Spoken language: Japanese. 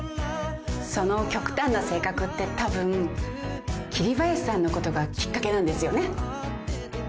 その極端な性格ってたぶん桐林さんのことがきっかけなんですよね。